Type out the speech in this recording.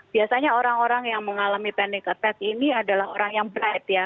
biasanya orang orang yang mengalami panic attack ini adalah orang yang berat ya